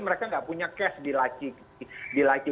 mereka nggak punya cash di laki